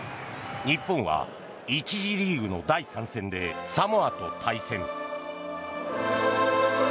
日本は１次リーグの第３戦でサモアと対戦。